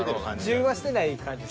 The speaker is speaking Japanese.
中和してない感じ。